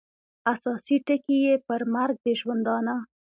اساسي ټکي یې پر مرګ د ژوندانه